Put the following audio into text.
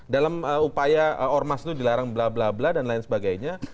dalam upaya ormas itu dilarang bla bla bla dan lain sebagainya